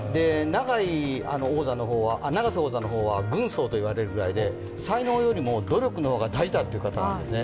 永瀬王座は軍曹と言われるぐらいで才能よりも努力の方が大事だという方なんですね。